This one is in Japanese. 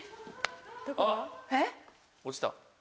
あっ落ちた。